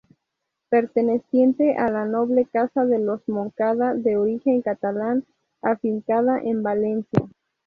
Perteneciente a la noble casa de los Moncada, de origen catalán afincada en Valencia.